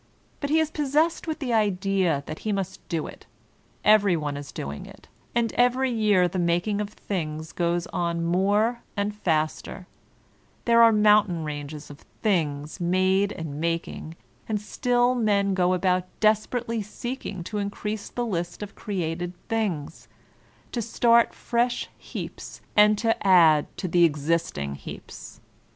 But he is possessed with the idea that he must do it, every one is doing it, and every year the making of things goes on more and faster; there are mountain ranges of things made and making, and still men go about desperately seeking to increase the list of created things, to start fresh heaps and to add to the existing heaps.